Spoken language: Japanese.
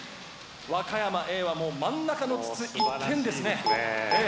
和歌山Ａはもう真ん中の筒一点ですね。